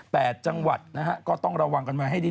จังหวัดนะฮะก็ต้องระวังกันมาให้ดี